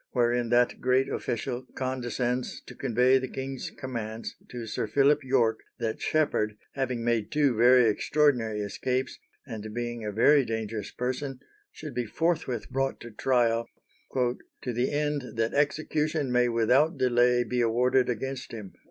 wherein that great official condescends to convey the king's commands to Sir Philip Yorke that Sheppard, having made two very extraordinary escapes, and being a very dangerous person, should be forthwith brought to trial, "to the end that execution may without delay be awarded against him."